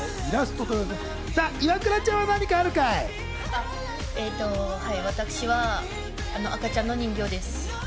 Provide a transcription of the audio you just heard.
イワクラちゃんは何かあるか私は赤ちゃんの人形です。